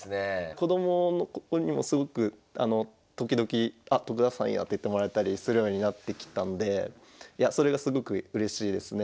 子どもにもすごく時々「あ徳田さんや」って言ってもらえたりするようになってきたんでそれがすごくうれしいですね。